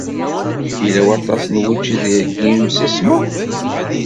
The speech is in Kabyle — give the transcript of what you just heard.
Yella waṭas n wučči deg yimsismeḍ?